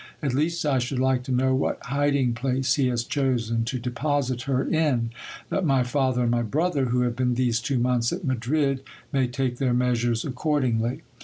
At least I should like to know what hiding place he has chosen to deposit her in, that my father and my brother, who have been these two months at Madrid, m:v take their measures accordingly.